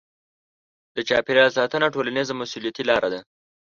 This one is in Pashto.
د چاپیریال ساتنه ټولنیزه مسوولیتي لاره ده.